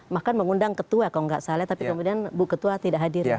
bahkan mengundang ketua kalau nggak salah tapi kemudian bu ketua tidak hadir